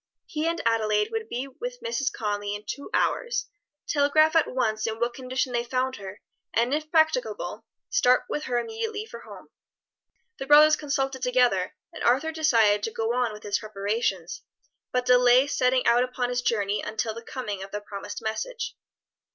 He and Adelaide would be with Mrs. Conly in two hours, telegraph at once in what condition they found her, and if practicable start with her immediately for her home. The brothers consulted together, and Arthur decided to go on with his preparations, but delay setting out upon his journey until the coming of the promised message.